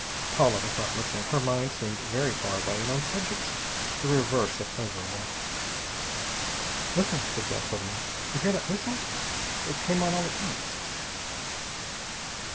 Paula was not listening. Her mind seemed very far away, and on subjects the reverse of pleasurable. "Listen!" said Bell suddenly. "You hear that whistle? It came on all at once!"